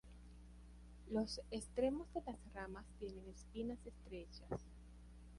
Los extremos de las ramas tienen espinas estrechas.